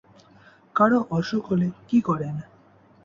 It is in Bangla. ‘কারো অসুখ হলে কী করেন?’